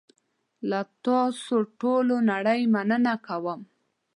له تاسوټولونړۍ مننه کوم .